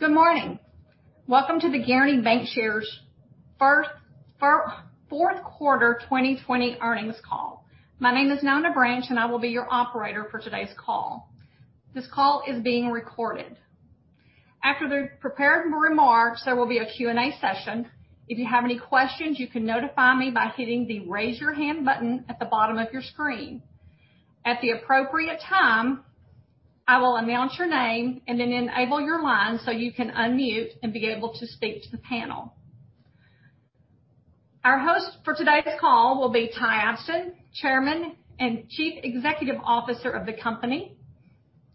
Good morning. Welcome to the Guaranty Bancshares' fourth quarter 2020 earnings call. My name is Nona Branch, and I will be your operator for today's call. This call is being recorded. After the prepared remarks, there will be a Q&A session. If you have any questions, you can notify me by hitting the Raise Your Hand button at the bottom of your screen. At the appropriate time, I will announce your name and then enable your line so you can unmute and be able to speak to the panel. Our host for today's call will be Ty Abston, Chairman and Chief Executive Officer of the company,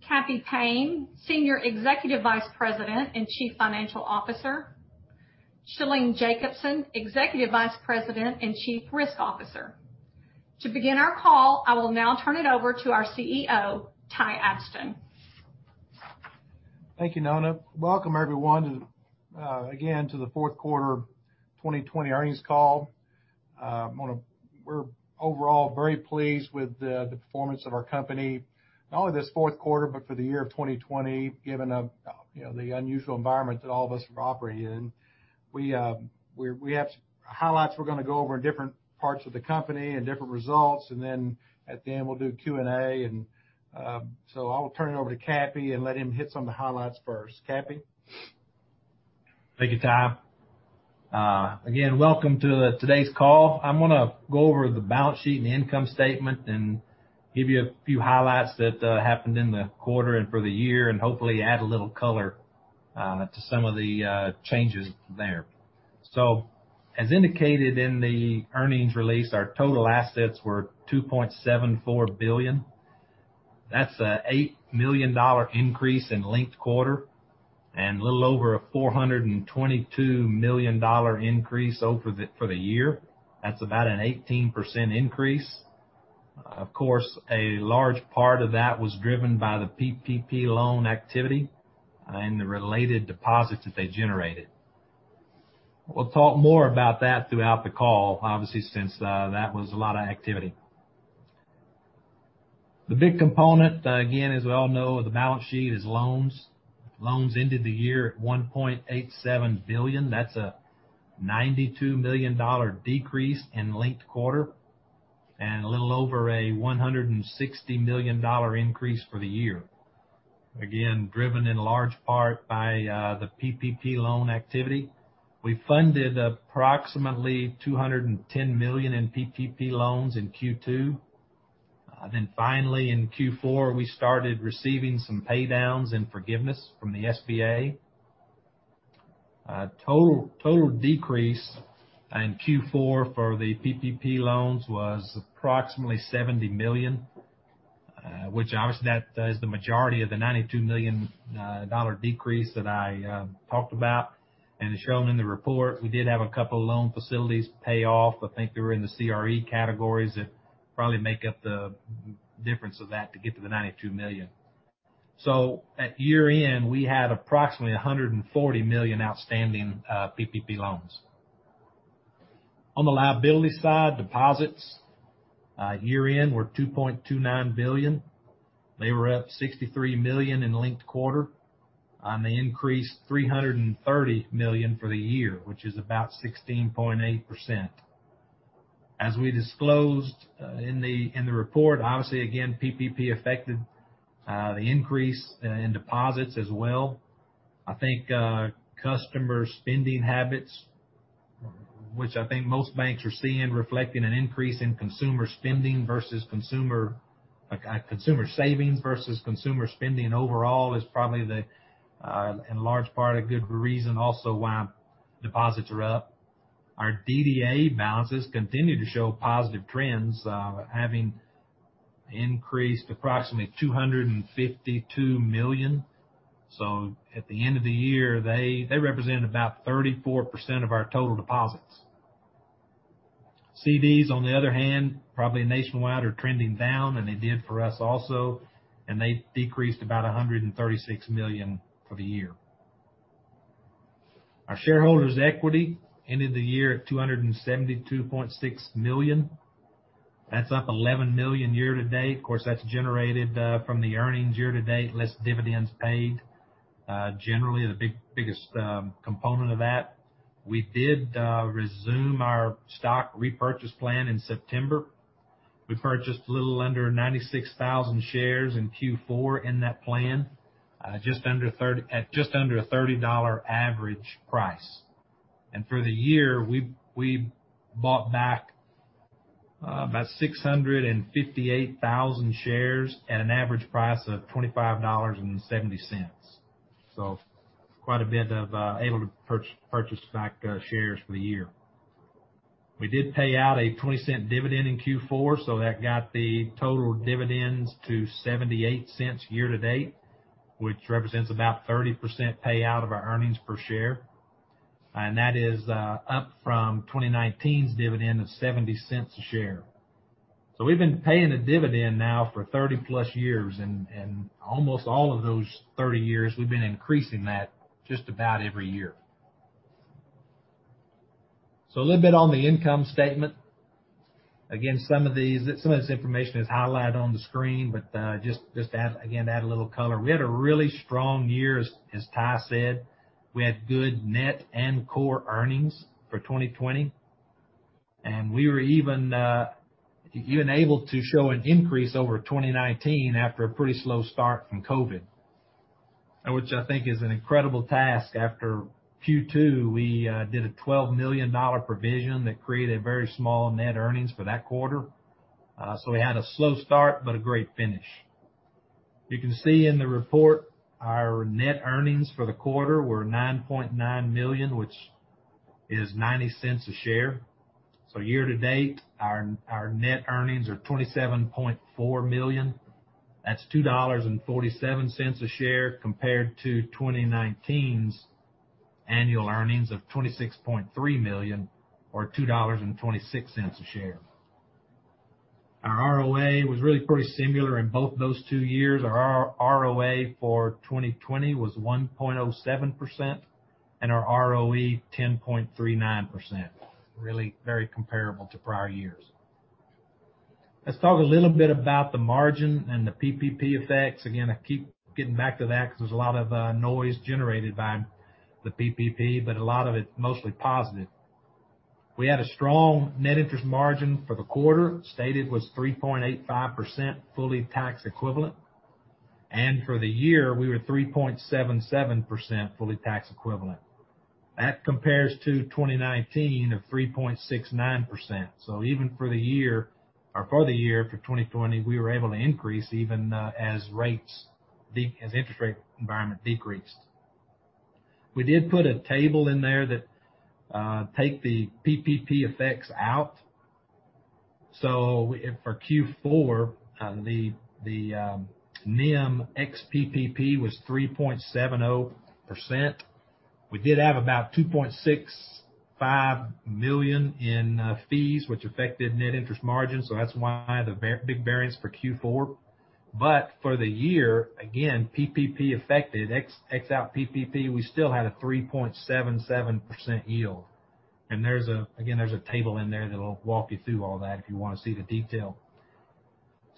Cappy Payne, Senior Executive Vice President and Chief Financial Officer, Shalene Jacobson, Executive Vice President and Chief Risk Officer. To begin our call, I will now turn it over to our CEO, Ty Abston. Thank you, Nona. Welcome everyone, again, to the fourth quarter 2020 earnings call. We're overall very pleased with the performance of our company, not only this fourth quarter, but for the year of 2020, given the unusual environment that all of us are operating in. We have highlights we're going to go over in different parts of the company and different results, and then at the end, we'll do Q&A. I will turn it over to Cappy and let him hit some of the highlights first. Cappy? Thank you, Ty. Again, welcome to today's call. I'm going to go over the balance sheet and the income statement and give you a few highlights that happened in the quarter and for the year and hopefully add a little color to some of the changes there. As indicated in the earnings release, our total assets were $2.74 billion. That's an $8 million increase in linked quarter and a little over a $422 million increase for the year. That's about an 18% increase. Of course, a large part of that was driven by the PPP loan activity and the related deposits that they generated. We'll talk more about that throughout the call, obviously, since that was a lot of activity. The big component, again, as we all know, of the balance sheet is loans. Loans ended the year at $1.87 billion. That's a $92 million decrease in linked quarter and a little over a $160 million increase for the year. Again, driven in large part by the PPP loan activity. We funded approximately $210 million in PPP loans in Q2. Finally in Q4, we started receiving some paydowns and forgiveness from the SBA. Total decrease in Q4 for the PPP loans was approximately $70 million, which obviously that is the majority of the $92 million decrease that I talked about and is shown in the report. We did have a couple loan facilities pay off. I think they were in the CRE categories that probably make up the difference of that to get to the $92 million. At year end, we had approximately $140 million outstanding PPP loans. On the liability side, deposits year end were $2.29 billion. They were up $63 million in linked quarter, and they increased $330 million for the year, which is about 16.8%. As we disclosed in the report, obviously, again, PPP affected the increase in deposits as well. I think customer spending habits, which I think most banks are seeing reflecting an increase in consumer savings versus consumer spending overall is probably in large part a good reason also why deposits are up. Our DDA balances continue to show positive trends, having increased approximately $252 million. At the end of the year, they represent about 34% of our total deposits. CDs, on the other hand, probably nationwide are trending down, and they did for us also, and they decreased about $136 million for the year. Our shareholders' equity ended the year at $272.6 million. That's up $11 million year to date. Of course, that's generated from the earnings year to date, less dividends paid, generally the biggest component of that. We did resume our stock repurchase plan in September. We purchased a little under 96,000 shares in Q4 in that plan, at just under a $30 average price. For the year, we bought back about 658,000 shares at an average price of $25.70. Quite a bit able to purchase back shares for the year. We did pay out a $0.20 dividend in Q4, that got the total dividends to $0.78 year to date, which represents about 30% payout of our earnings per share. That is up from 2019's dividend of $0.70 a share. We've been paying a dividend now for 30-plus years, and almost all of those 30 years, we've been increasing that just about every year. A little bit on the income statement. Again, some of this information is highlighted on the screen, but just to, again, add a little color. We had a really strong year, as Ty said. We had good net and core earnings for 2020, and we were even able to show an increase over 2019 after a pretty slow start from COVID, which I think is an incredible task after Q2, we did a $12 million provision that created very small net earnings for that quarter. We had a slow start, but a great finish. You can see in the report our net earnings for the quarter were $9.9 million, which is $0.90 a share. Year to date, our net earnings are $27.4 million. That's $2.47 a share, compared to 2019's annual earnings of $26.3 million or $2.26 a share. Our ROA was really pretty similar in both those two years. Our ROA for 2020 was 1.07%, and our ROE 10.39%. Really very comparable to prior years. Let's talk a little bit about the margin and the PPP effects. Again, I keep getting back to that because there's a lot of noise generated by the PPP, but a lot of it's mostly positive. We had a strong net interest margin for the quarter, stated was 3.85% fully tax equivalent. For the year, we were 3.77% fully tax equivalent. That compares to 2019 of 3.69%. Even for the year, or for the year for 2020, we were able to increase even as interest rate environment decreased. We did put a table in there that take the PPP effects out. For Q4, the NIM ex PPP was 3.70%. We did have about $2.65 million in fees, which affected net interest margin. That's why the big variance for Q4. For the year, again, PPP affected, ex out PPP, we still had a 3.77% yield. Again, there's a table in there that'll walk you through all that if you want to see the detail.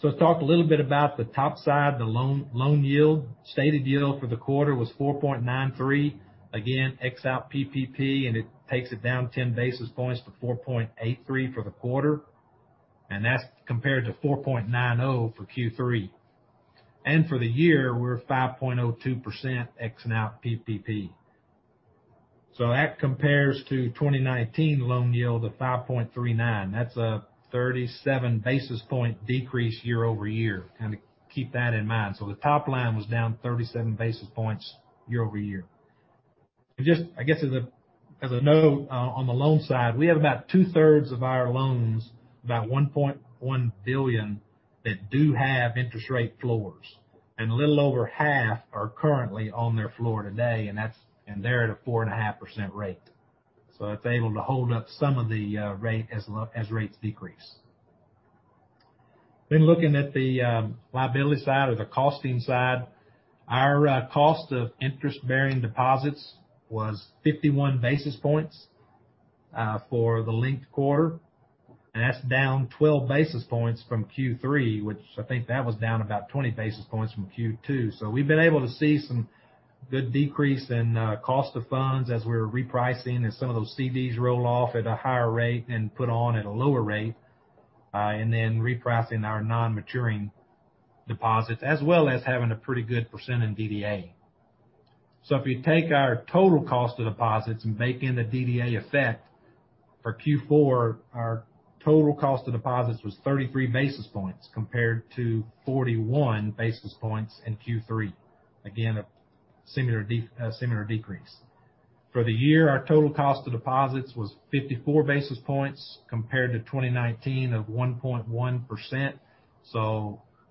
Let's talk a little bit about the top side, the loan yield. Stated yield for the quarter was 4.93%. Again, ex out PPP, it takes it down 10 basis points to 4.83% for the quarter. That's compared to 4.90% for Q3. For the year, we're 5.02% exing out PPP. That compares to 2019 loan yield of 5.39%. That's a 37 basis point decrease year-over-year. Kind of keep that in mind. The top line was down 37 basis points year-over-year. I guess as a note on the loan side, we have about two-thirds of our loans, about $1.1 billion that do have interest rate floors, and a little over half are currently on their floor today, and they're at a 4.5% rate. That's able to hold up some of the rate as rates decrease. Looking at the liability side or the costing side, our cost of interest-bearing deposits was 51 basis points for the linked quarter, and that's down 12 basis points from Q3, which I think that was down about 20 basis points from Q2. We've been able to see some good decrease in cost of funds as we're repricing as some of those CDs roll off at a higher rate and put on at a lower rate, and then repricing our non-maturing deposits, as well as having a pretty good % in DDA. If you take our total cost of deposits and bake in the DDA effect for Q4, our total cost of deposits was 33 basis points compared to 41 basis points in Q3. Again, a similar decrease. For the year, our total cost of deposits was 54 basis points compared to 2019 of 1.1%.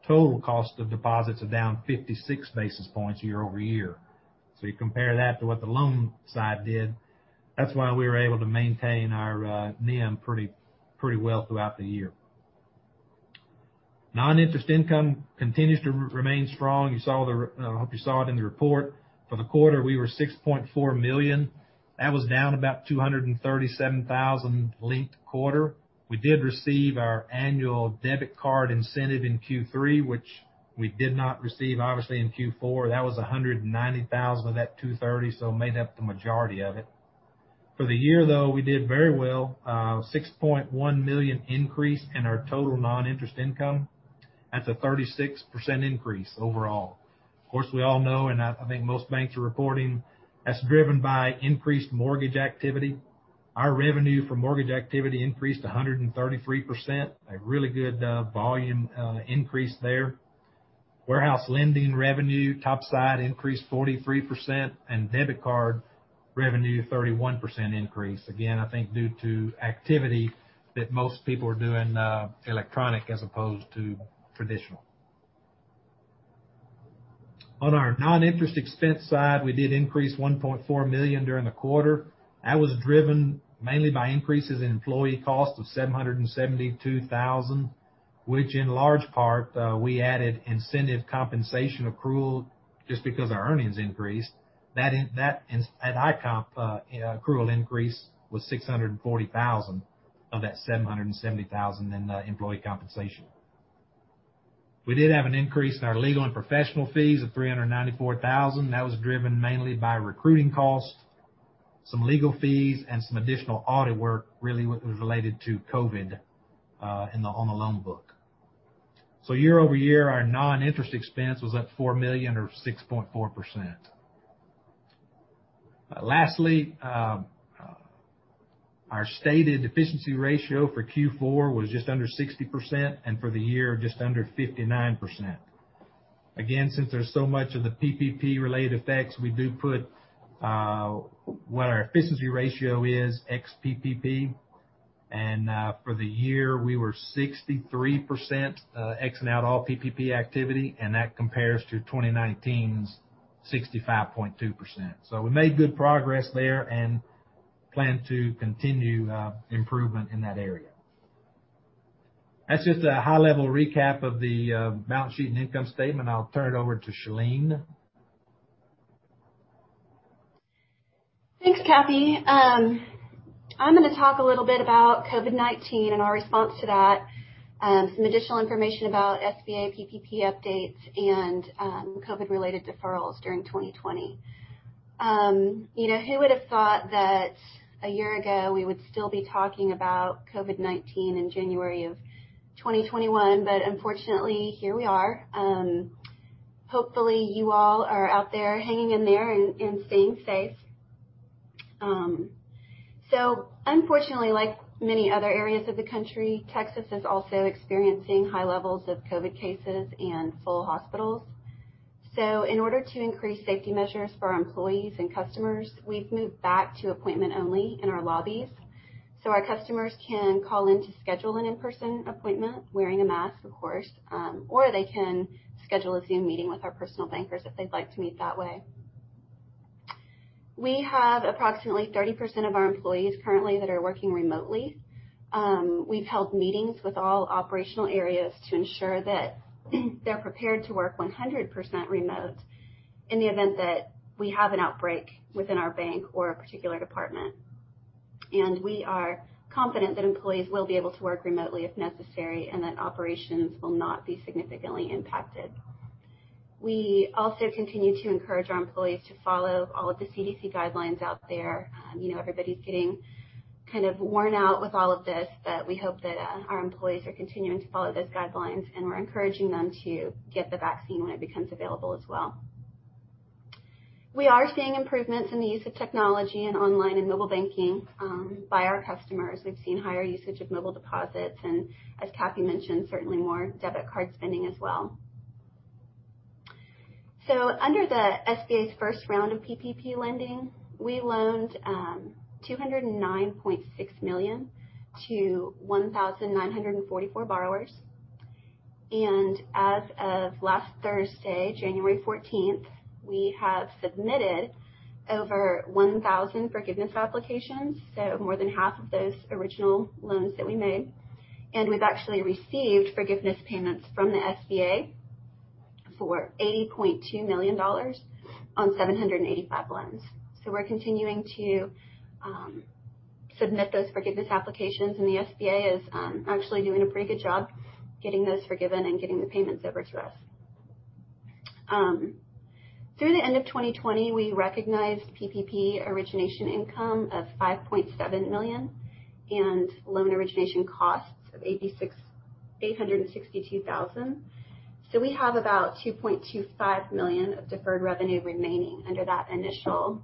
Total cost of deposits are down 56 basis points year-over-year. You compare that to what the loan side did, that's why we were able to maintain our NIM pretty well throughout the year. Non-interest income continues to remain strong. I hope you saw it in the report. For the quarter, we were $6.4 million. That was down about $237,000 linked quarter. We did receive our annual debit card incentive in Q3, which we did not receive, obviously, in Q4. That was $190,000 of that $230,000, so it made up the majority of it. For the year, though, we did very well. $6.1 million increase in our total non-interest income. That's a 36% increase overall. Of course, we all know, and I think most banks are reporting, that's driven by increased mortgage activity. Our revenue for mortgage activity increased 133%, a really good volume increase there. Warehouse lending revenue, top side increased 43%, and debit card revenue, 31% increase. I think due to activity that most people are doing electronic as opposed to traditional. On our non-interest expense side, we did increase $1.4 million during the quarter. That was driven mainly by increases in employee cost of $772,000. Which in large part, we added incentive compensation accrual just because our earnings increased. That comp accrual increase was $640,000 of that $770,000 in employee compensation. We did have an increase in our legal and professional fees of $394,000. That was driven mainly by recruiting costs, some legal fees, and some additional audit work, really what was related to COVID, on the loan book. Year-over-year, our non-interest expense was up $4 million or 6.4%. Lastly, our stated efficiency ratio for Q4 was just under 60%, and for the year, just under 59%. Again, since there's so much of the PPP related effects, we do put what our efficiency ratio is ex-PPP. For the year, we were 63%, exing out all PPP activity, and that compares to 2019's 65.2%. We made good progress there and plan to continue improvement in that area. That's just a high-level recap of the balance sheet and income statement. I'll turn it over to Shalene. Thanks, Kathy. I'm going to talk a little bit about COVID-19 and our response to that, some additional information about SBA PPP updates, and COVID related deferrals during 2020. Who would have thought that a year ago we would still be talking about COVID-19 in January of 2021, but unfortunately, here we are. Hopefully, you all are out there hanging in there and staying safe. Unfortunately, like many other areas of the country, Texas is also experiencing high levels of COVID cases and full hospitals. In order to increase safety measures for our employees and customers, we've moved back to appointment only in our lobbies. Our customers can call in to schedule an in-person appointment, wearing a mask, of course, or they can schedule a Zoom meeting with our personal bankers if they'd like to meet that way. We have approximately 30% of our employees currently that are working remotely. We've held meetings with all operational areas to ensure that they're prepared to work 100% remote in the event that we have an outbreak within our bank or a particular department. We are confident that employees will be able to work remotely if necessary, and that operations will not be significantly impacted. We also continue to encourage our employees to follow all of the CDC guidelines out there. Everybody's getting kind of worn out with all of this, but we hope that our employees are continuing to follow those guidelines, and we're encouraging them to get the vaccine when it becomes available as well. We are seeing improvements in the use of technology and online and mobile banking by our customers. We've seen higher usage of mobile deposits, and as Kathy mentioned, certainly more debit card spending as well. Under the SBA's first round of PPP lending, we loaned $209.6 million to 1,944 borrowers. As of last Thursday, January 14th, we have submitted over 1,000 forgiveness applications, so more than half of those original loans that we made. We've actually received forgiveness payments from the SBA for $80.2 million on 785 loans. We're continuing to submit those forgiveness applications, and the SBA is actually doing a pretty good job getting those forgiven and getting the payments over to us. Through the end of 2020, we recognized PPP origination income of $5.7 million and loan origination costs of $862,000. We have about $2.25 million of deferred revenue remaining under that initial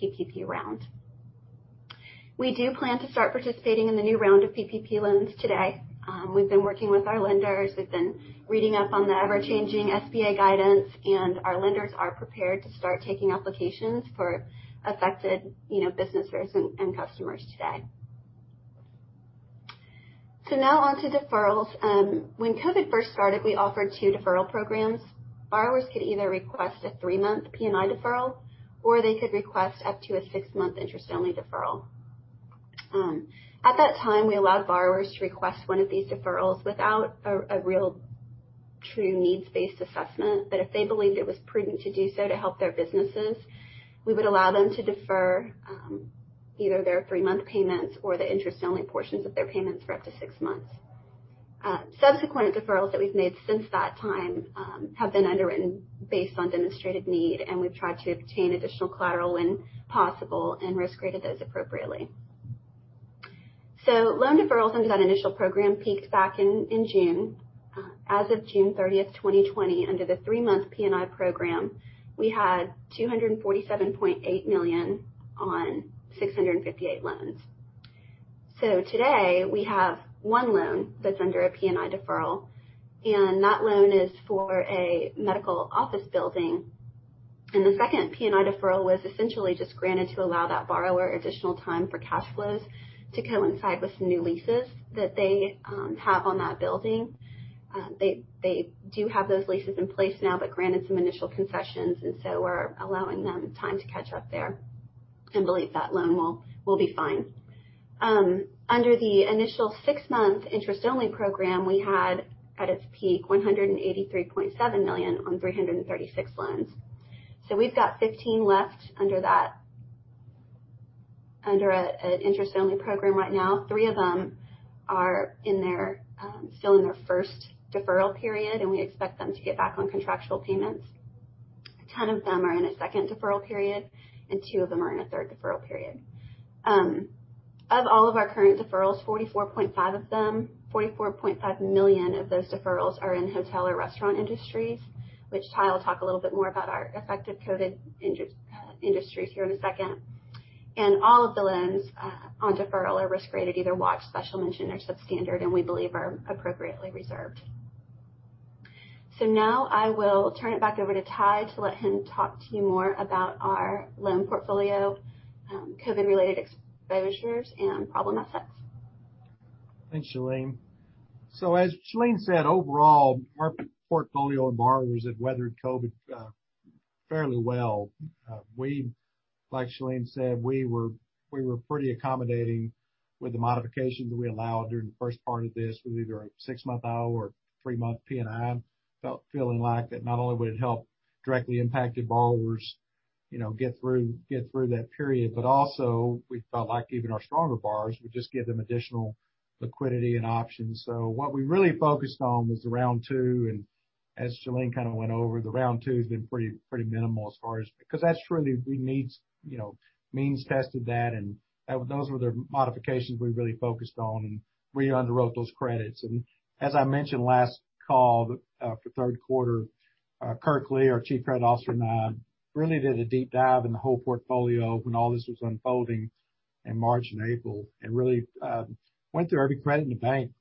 PPP round. We do plan to start participating in the new round of PPP loans today. We've been working with our lenders. We've been reading up on the ever-changing SBA guidance, and our lenders are prepared to start taking applications for affected business owners and customers today. Now on to deferrals. When COVID first started, we offered two deferral programs. Borrowers could either request a 3-month P&I deferral, or they could request up to a six month interest-only deferral. At that time, we allowed borrowers to request one of these deferrals without a real true needs-based assessment, but if they believed it was prudent to do so to help their businesses, we would allow them to defer either their 3-month payments or the interest-only portions of their payments for up to 6 months. Subsequent deferrals that we've made since that time have been underwritten based on demonstrated need, and we've tried to obtain additional collateral when possible and risk-graded those appropriately. Loan deferrals under that initial program peaked back in June. As of June 30th, 2020, under the three-month P&I program, we had $247.8 million on 658 loans. Today, we have one loan that's under a P&I deferral, and that loan is for a medical office building. The second P&I deferral was essentially just granted to allow that borrower additional time for cash flows to coincide with some new leases that they have on that building. They do have those leases in place now, but granted some initial concessions, and so we're allowing them time to catch up there. We believe that loan will be fine. Under the initial six-month interest-only program, we had, at its peak, $183.7 million on 336 loans. We've got 15 left under an interest-only program right now. Three of them are still in their first deferral period, we expect them to get back on contractual payments. A ton of them are in a second deferral period, and two of them are in a third deferral period. Of all of our current deferrals, $44.5 million of those deferrals are in hotel or restaurant industries, which Ty will talk a little bit more about our affected COVID industries here in a second. All of the loans on deferral are risk rated either watch, special mention, or substandard, and we believe are appropriately reserved. Now I will turn it back over to Ty to let him talk to you more about our loan portfolio, COVID-related exposures, and problem assets. Thanks, Shalene. As Shalene said, overall, our portfolio and borrowers have weathered COVID fairly well. Like Shalene said, we were pretty accommodating with the modifications we allowed during the first part of this, with either a six-month IOL or three-month P&I, feeling like that not only would it help directly impacted borrowers get through that period, but also we felt like even our stronger borrowers, would just give them additional liquidity and options. What we really focused on was the round two, and as Shalene kind of went over, the round two has been pretty minimal as far as Because that's truly we means tested that, and those were the modifications we really focused on, and re-underwrote those credits. As I mentioned last call for third quarter, Kirk Lee, our Chief Credit Officer, really did a deep dive in the whole portfolio when all this was unfolding in March and April, and really went through every credit in the bank,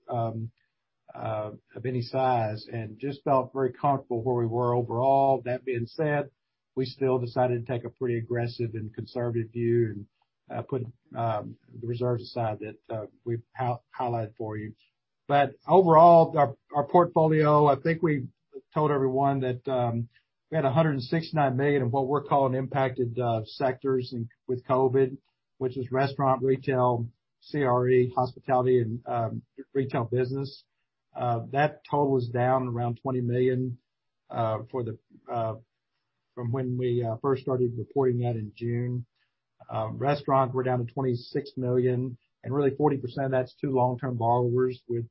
of any size, and just felt very comfortable where we were overall. That being said, we still decided to take a pretty aggressive and conservative view and put the reserves aside that we've highlighted for you. Overall, our portfolio, I think we told everyone that we had $169 million of what we're calling impacted sectors with COVID, which is restaurant, retail, CRE, hospitality, and retail business. That total is down around $20 million from when we first started reporting that in June. Restaurants were down to $26 million, and really 40% of that's two long-term borrowers with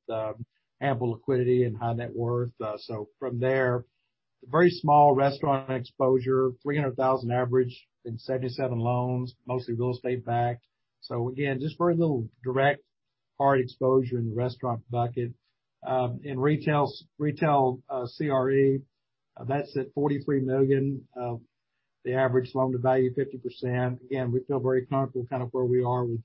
ample liquidity and high net worth. From there, very small restaurant exposure, $300,000 average in 77 loans, mostly real estate backed. Again, just very little direct hard exposure in the restaurant bucket. In retail CRE, that's at $43 million. The average loan-to-value, 50%. Again, we feel very comfortable kind of where we are with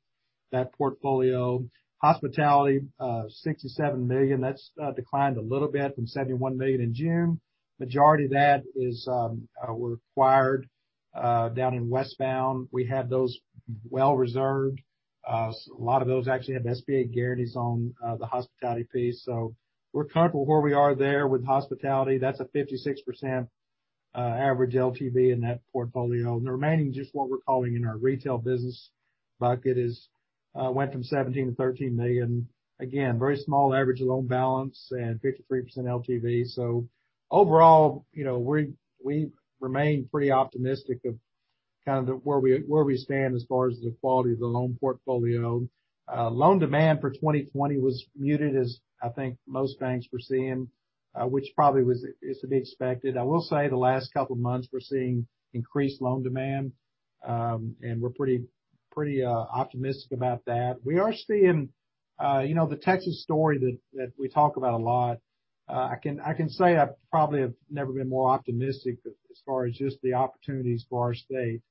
that portfolio. Hospitality, $67 million. That's declined a little bit from $71 million in June. Majority of that we acquired down in Westbound. We have those well reserved. A lot of those actually have SBA guarantees on the hospitality piece. We're comfortable where we are there with hospitality. That's a 56% average LTV in that portfolio. The remaining, just what we're calling in our retail business bucket, went from $17 million-$13 million. Again, very small average loan balance and 53% LTV. Overall, we remain pretty optimistic of kind of where we stand as far as the quality of the loan portfolio. Loan demand for 2020 was muted as I think most banks were seeing, which probably is to be expected. I will say the last couple of months, we're seeing increased loan demand, and we're pretty optimistic about that. We are seeing the Texas story that we talk about a lot. I can say I probably have never been more optimistic as far as just the opportunities for our state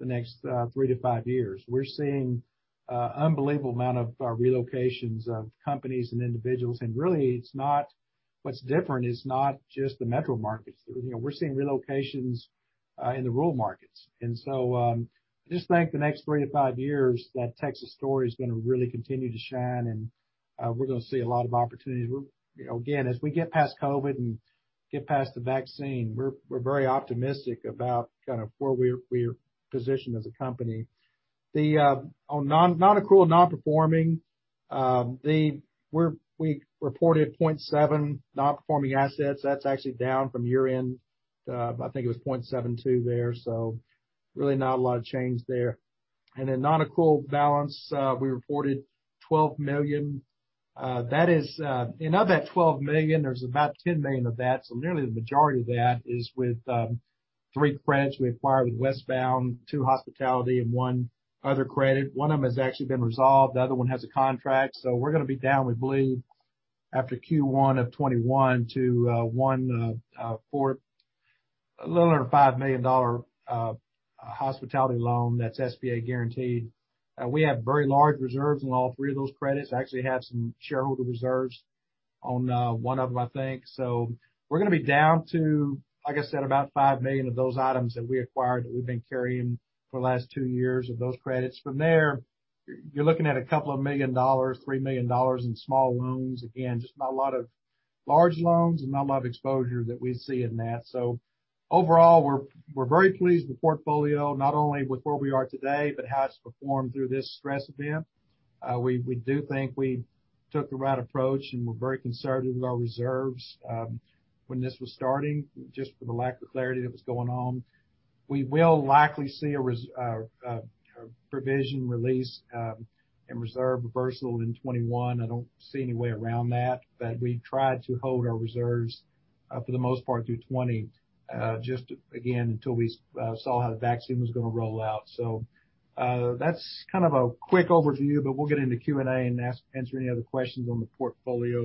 the next three to five years. We're seeing an unbelievable amount of relocations of companies and individuals, and really what's different is not just the metro markets. We're seeing relocations in the rural markets. I just think the next three to five years, that Texas story is going to really continue to shine, and we're going to see a lot of opportunities. Again, as we get past COVID and get past the vaccine, we're very optimistic about kind of where we're positioned as a company. On non-accrual, non-performing, we reported 0.7 non-performing assets. That's actually down from year-end. I think it was 0.72 there. Really not a lot of change there. In non-accrual balance, we reported $12 million. Of that $12 million, there's about $10 million of that, so nearly the majority of that is with three credits we acquired with Westbound, two hospitality, and one other credit. One of them has actually been resolved, the other one has a contract. We're going to be down, we believe, after Q1 of 2021 to a little under a $5 million hospitality loan that's SBA-guaranteed. We have very large reserves in all three of those credits. Actually have some shareholder reserves on one of them, I think. We're going to be down to, like I said, about $5 million of those items that we acquired that we've been carrying for the last two years of those credits. From there, you're looking at a couple of million dollars, $3 million in small loans. Again, just not a lot of large loans and not a lot of exposure that we see in that. Overall, we're very pleased with the portfolio, not only with where we are today, but how it's performed through this stress event. We do think we took the right approach, and were very conservative with our reserves when this was starting, just for the lack of clarity that was going on. We will likely see a provision release and reserve reversal in 2021. I don't see any way around that. We tried to hold our reserves for the most part through 2020, just again, until we saw how the vaccine was going to roll out. That's kind of a quick overview, but we'll get into Q&A and answer any other questions on the portfolio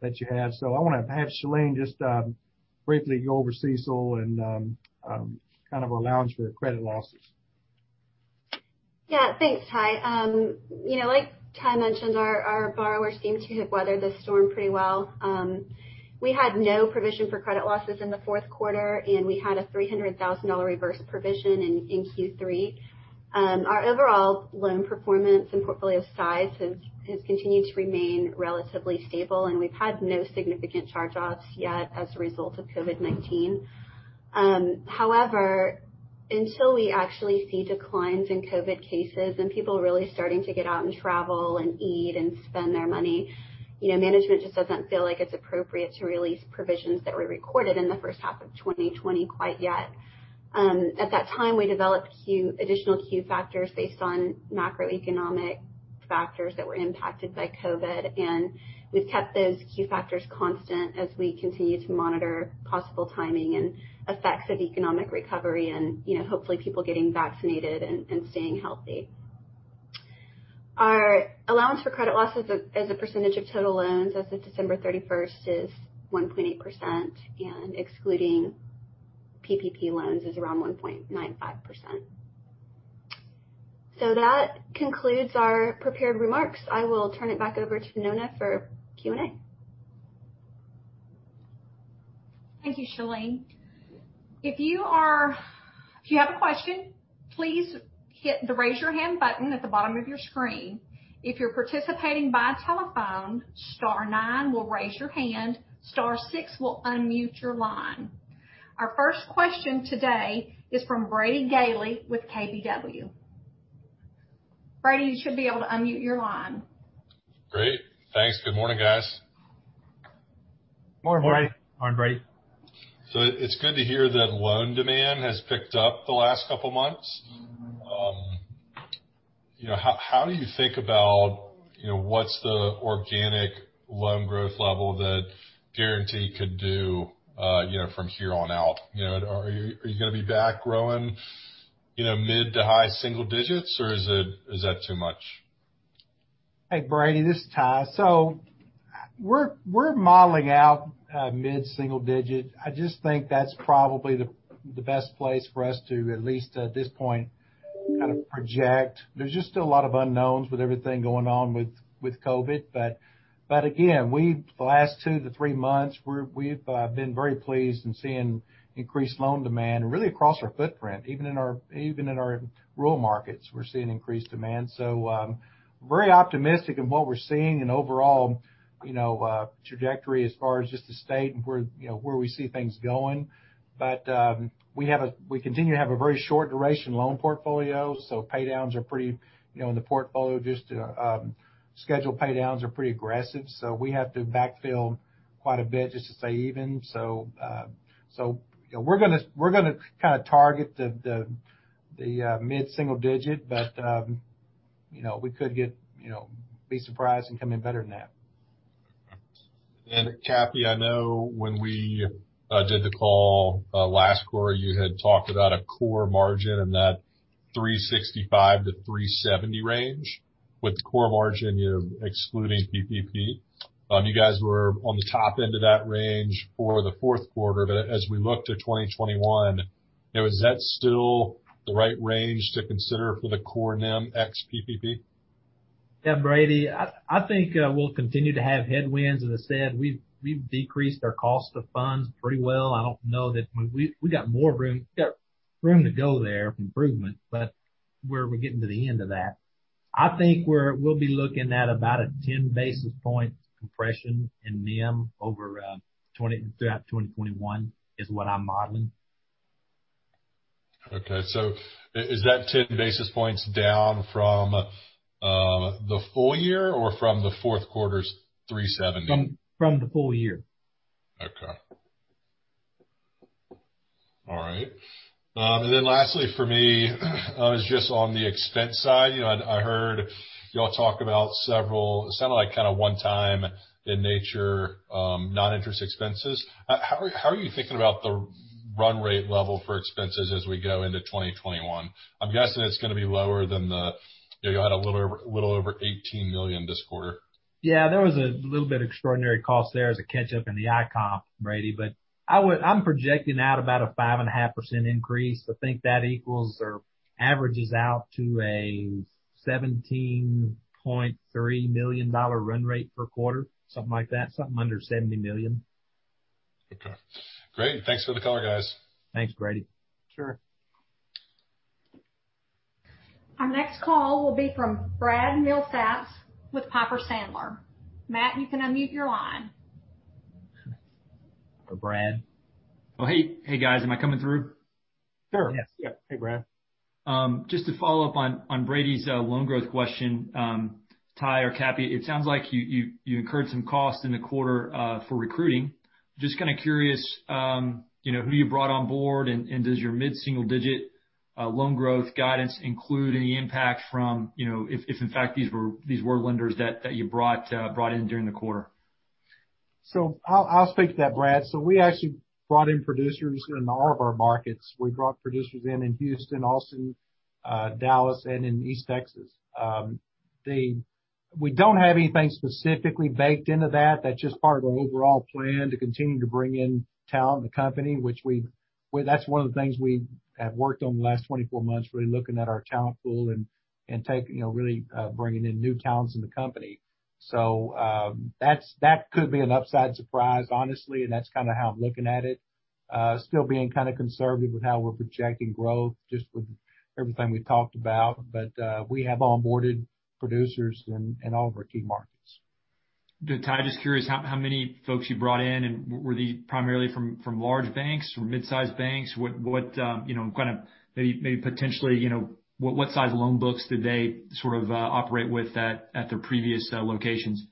that you have. I want to have Shalene just briefly go over CECL and kind of allowance for credit losses. Yeah, thanks, Ty. Like Ty mentioned, our borrowers seem to have weathered the storm pretty well. We had no provision for credit losses in the fourth quarter, and we had a $300,000 reverse provision in Q3. Our overall loan performance and portfolio size has continued to remain relatively stable, and we've had no significant charge-offs yet as a result of COVID-19. However, until we actually see declines in COVID cases and people really starting to get out and travel and eat and spend their money, management just doesn't feel like it's appropriate to release provisions that were recorded in the first half of 2020 quite yet. At that time, we developed additional Q factors based on macroeconomic factors that were impacted by COVID, and we've kept those Q factors constant as we continue to monitor possible timing and effects of economic recovery and hopefully people getting vaccinated and staying healthy. Our allowance for credit losses as a percentage of total loans as of December 31st is 1.8%, and excluding PPP loans is around 1.95%. That concludes our prepared remarks. I will turn it back over to Nona for Q&A. Thank you, Shalene. If you have a question, please hit the Raise Your Hand button at the bottom of your screen. If you're participating by telephone, star nine will raise your hand. Star six will unmute your line. Our first question today is from Brady Gailey with KBW. Brady, you should be able to unmute your line. Great. Thanks. Good morning, guys. Morning, Brady. Morning. Morning, Brady. It's good to hear that loan demand has picked up the last couple of months. How do you think about what's the organic loan growth level that Guaranty could do from here on out? Are you going to be back growing mid to high single digits, or is that too much? Hey, Brady, this is Ty. We're modeling out mid-single digit. I just think that's probably the best place for us to at least at this point kind of project. There are just still a lot of unknowns with everything going on with COVID. Again, the last two to three months, we've been very pleased in seeing increased loan demand really across our footprint. Even in our rural markets, we're seeing increased demand. I'm very optimistic in what we're seeing and overall trajectory as far as just the state and where we see things going. We continue to have a very short duration loan portfolio, so in the portfolio, scheduled pay-downs are pretty aggressive. We have to backfill quite a bit just to stay even. We're going to kind of target the mid-single digit, but we could be surprised and come in better than that. Cappy, I know when we did the call last quarter, you had talked about a core margin in that 365 to 370 range with core margin excluding PPP. You guys were on the top end of that range for the fourth quarter. As we look to 2021, is that still the right range to consider for the core NIM ex PPP? Yeah, Brady, I think we'll continue to have headwinds. As I said, we've decreased our cost of funds pretty well. I don't know that we got more room to go there for improvement, but we're getting to the end of that. I think we'll be looking at about a 10-basis point compression in NIM throughout 2021, is what I'm modeling. Okay. Is that 10 basis points down from the full year or from the fourth quarter's 370? From the full year. Okay. All right. Lastly for me, I was just on the expense side. I heard you all talk about several, it sounded like kind of one-time in nature, non-interest expenses. How are you thinking about the run rate level for expenses as we go into 2021? I'm guessing it's going to be lower than you had a little over $18 million this quarter. There was a little bit of extraordinary cost there as a catch-up in the incentive comp, Brady, but I'm projecting out about a 5.5% increase. I think that equals or averages out to a $17.3 million run rate per quarter, something like that, something under $17 million. Okay, great. Thanks for the color, guys. Thanks, Brady. Sure. Our next call will be from Brad Milsaps with Piper Sandler. Matt, you can unmute your line. For Brad. Oh, hey guys. Am I coming through? Sure. Yes. Yep. Hey, Brad. To follow up on Brady's loan growth question, Ty or Kathy, it sounds like you incurred some costs in the quarter for recruiting. Kind of curious who you brought on board and does your mid-single digit loan growth guidance include any impact from if in fact these were lenders that you brought in during the quarter? I'll speak to that, Brad. We actually brought in producers in all of our markets. We brought producers in Houston, Austin, Dallas, and in East Texas. We don't have anything specifically baked into that. That's just part of our overall plan to continue to bring in talent to company, which that's one of the things we have worked on the last 24 months, really looking at our talent pool and really bringing in new talents in the company. That could be an upside surprise, honestly, and that's kind of how I'm looking at it. Still being kind of conservative with how we're projecting growth, just with everything we've talked about. We have onboarded producers in all of our key markets. Ty, just curious how many folks you brought in, and were these primarily from large banks or mid-size banks? What maybe potentially, what size loan books did they sort of operate with at their previous locations?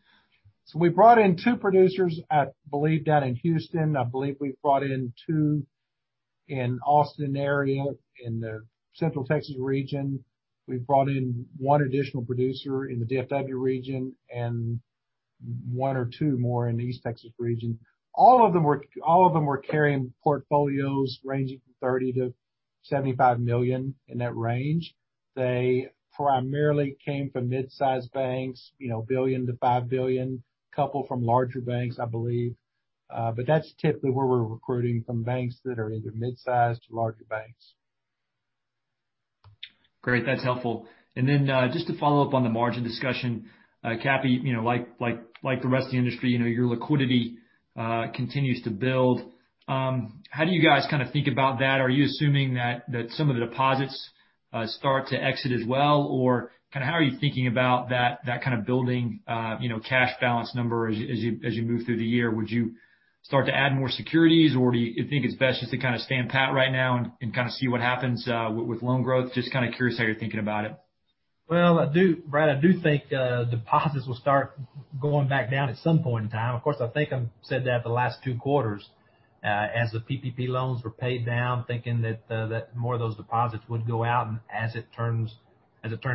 We brought in two producers, I believe, down in Houston. I believe we brought in two in Austin area, in the Central Texas region. We brought in one additional producer in the DFW region and one or two more in the East Texas region. All of them were carrying portfolios ranging from $30 million-$75 million, in that range. They primarily came from mid-size banks, $1 billion-$5 billion, a couple from larger banks, I believe. That's typically where we're recruiting, from banks that are either mid-size to larger banks. Great. That's helpful. Then just to follow up on the margin discussion, Cappy, like the rest of the industry, your liquidity continues to build. How do you guys kind of think about that? Are you assuming that some of the deposits start to exit as well? Kind of how are you thinking about that kind of building cash balance number as you move through the year? Would you start to add more securities, or do you think it's best just to kind of stand pat right now and kind of see what happens with loan growth? Just kind of curious how you're thinking about it. Well, Brad, I do think deposits will start going back down at some point in time. Of course, I think I've said that the last two quarters as the PPP loans were paid down, thinking that more of those deposits would go out, and as it turned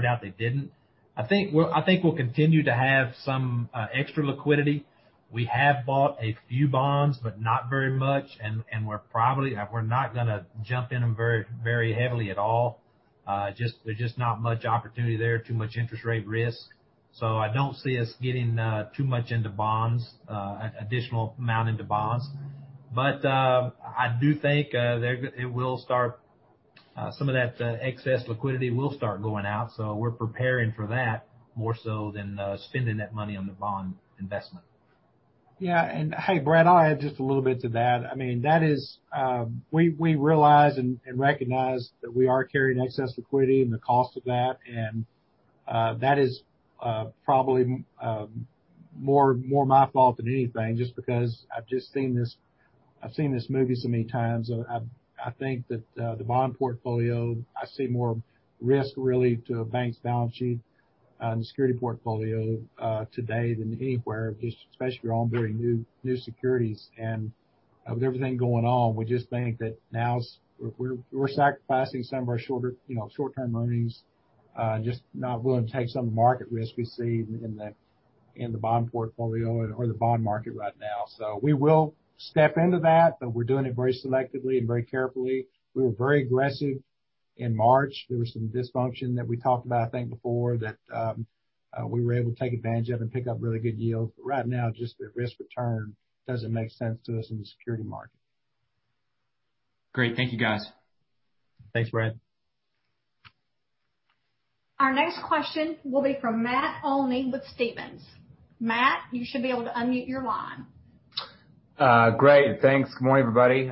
out, they didn't. I think we'll continue to have some extra liquidity. We have bought a few bonds, but not very much, and we're not going to jump in them very heavily at all. There's just not much opportunity there, too much interest rate risk. I don't see us getting too much into bonds, additional amount into bonds. I do think some of that excess liquidity will start going out. We're preparing for that more so than spending that money on the bond investment. Yeah. Hey, Brad, I'll add just a little bit to that. We realize and recognize that we are carrying excess liquidity and the cost of that is probably more my fault than anything, just because I've seen this movie so many times. I think that the bond portfolio, I see more risk, really, to a bank's balance sheet and the security portfolio today than anywhere, just especially if you're onboarding new securities. With everything going on, we just think that now we're sacrificing some of our short-term earnings, just not willing to take some of the market risk we see in the bond portfolio or the bond market right now. We will step into that, we're doing it very selectively and very carefully. We were very aggressive in March. There was some dysfunction that we talked about, I think, before that we were able to take advantage of and pick up really good yields. Right now, just the risk return doesn't make sense to us in the security market. Great. Thank you, guys. Thanks, Brad. Our next question will be from Matt Olney with Stephens. Matt, you should be able to unmute your line. Great. Thanks. Good morning, everybody.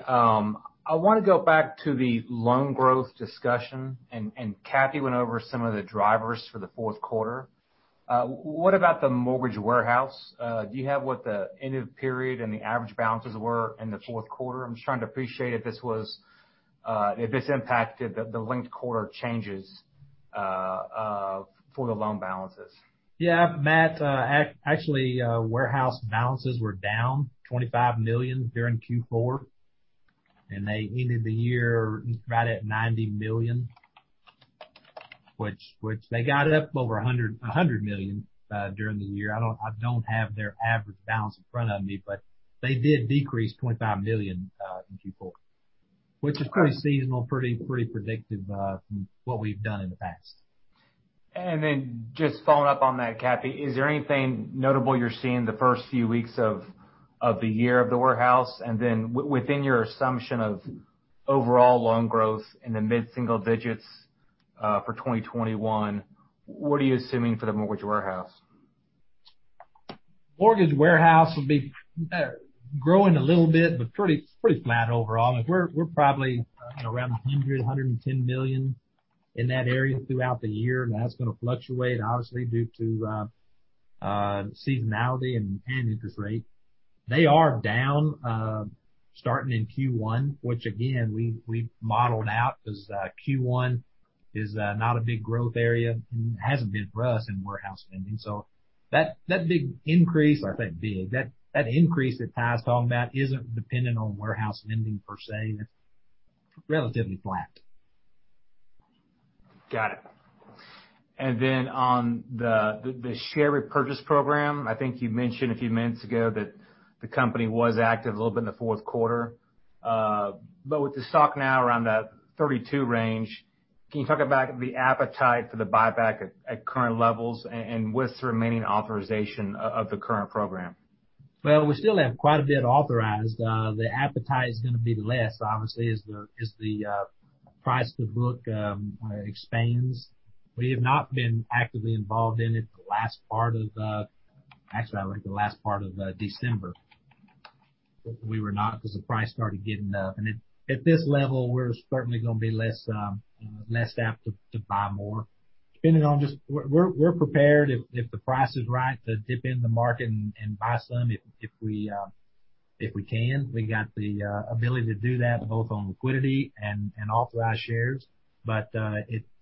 I want to go back to the loan growth discussion. Cathy went over some of the drivers for the fourth quarter. What about the mortgage warehouse? Do you have what the end of period and the average balances were in the fourth quarter? I'm just trying to appreciate if this impacted the linked quarter changes for the loan balances. Yeah, Matt. Actually, warehouse balances were down $25 million during Q4. They ended the year right at $90 million, which they got up over $100 million during the year. I don't have their average balance in front of me. They did decrease $25 million in Q4, which is pretty seasonal, pretty predictive from what we've done in the past. Just following up on that, Cathy, is there anything notable you're seeing the first few weeks of the year of the warehouse? Within your assumption of overall loan growth in the mid-single digits for 2021, what are you assuming for the mortgage warehouse? Mortgage warehouse will be growing a little bit, but pretty flat overall. We're probably around $100 million, $110 million in that area throughout the year. That's going to fluctuate obviously due to seasonality and interest rate. They are down starting in Q1, which again we modeled out because Q1 is not a big growth area, and it hasn't been for us in warehouse lending. That big increase, I say big, that increase that Ty's talking about isn't dependent on warehouse lending per se. It's relatively flat. Got it. On the share repurchase program, I think you mentioned a few minutes ago that the company was active a little bit in the fourth quarter. With the stock now around that $32 range, can you talk about the appetite for the buyback at current levels and what's the remaining authorization of the current program? Well, we still have quite a bit authorized. The appetite is going to be less, obviously, as the price to book expands. We have not been actively involved in it the last part of, actually, I think the last part of December. We were not because the price started getting up. At this level, we're certainly going to be less apt to buy more. We're prepared if the price is right to dip in the market and buy some if we can. We got the ability to do that both on liquidity and authorized shares.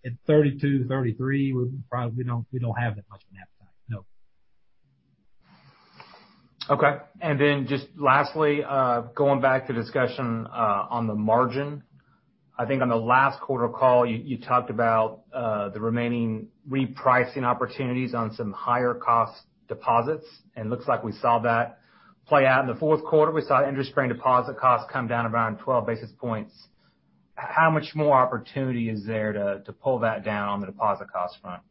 At 32, 33, we probably don't have that much of an appetite, no. Okay. Just lastly, going back to discussion on the margin. I think on the last quarter call, you talked about the remaining repricing opportunities on some higher cost deposits, and looks like we saw that play out in the fourth quarter. We saw interest rate and deposit costs come down around 12 basis points. How much more opportunity is there to pull that down on the deposit cost front?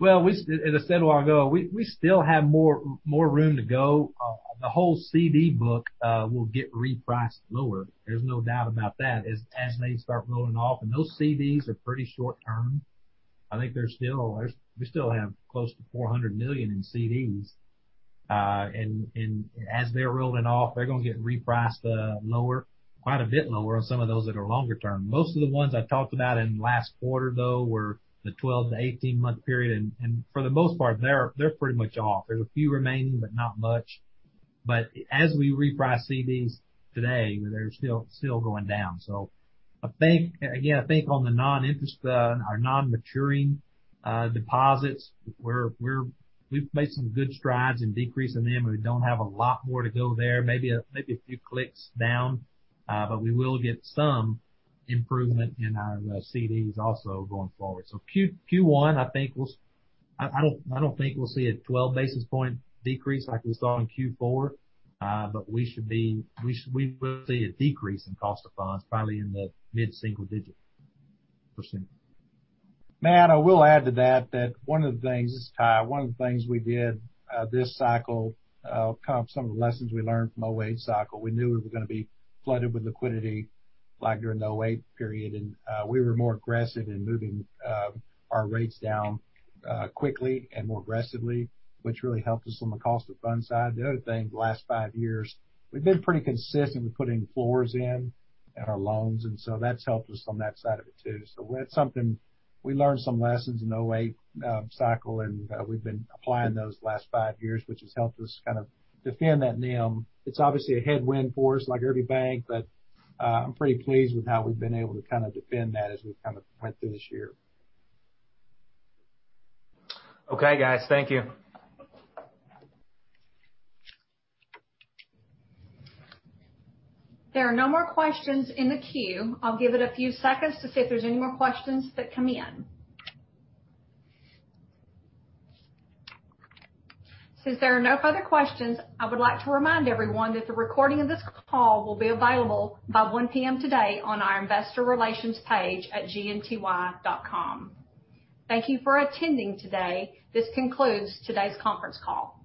Well, as I said a while ago, we still have more room to go. The whole CD book will get repriced lower. There's no doubt about that. As they start rolling off, those CDs are pretty short-term. I think we still have close to $400 million in CDs. As they're rolling off, they're going to get repriced lower, quite a bit lower on some of those that are longer term. Most of the ones I talked about in the last quarter, though, were the 12 to 18 month period, for the most part, they're pretty much off. There's a few remaining, not much. As we reprice CDs today, they're still going down. I think on our non-maturing deposits, we've made some good strides in decreasing them, we don't have a lot more to go there. Maybe a few clicks down, we will get some improvement in our CDs also going forward. Q1, I don't think we'll see a 12 basis point decrease like we saw in Q4. We will see a decrease in cost of funds probably in the mid-single digit %. Matt, I will add to that, this is Ty. One of the things we did this cycle, kind of some of the lessons we learned from 2008 cycle, we knew we were going to be flooded with liquidity like during the 2008 period. We were more aggressive in moving our rates down quickly and more aggressively, which really helped us on the cost of funds side. The other thing, the last five years, we've been pretty consistent with putting floors in our loans, that's helped us on that side of it too. That's something we learned some lessons in 2008 cycle, we've been applying those the last five years, which has helped us kind of defend that NIM. It's obviously a headwind for us, like every bank, but I'm pretty pleased with how we've been able to kind of defend that as we kind of went through this year. Okay, guys. Thank you. There are no more questions in the queue. I'll give it a few seconds to see if there's any more questions that come in. Since there are no further questions, I would like to remind everyone that the recording of this call will be available by 1:00 P.M. today on our investor relations page at gnty.com. Thank you for attending today. This concludes today's conference call.